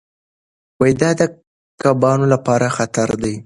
دا د کبانو لپاره خطر دی.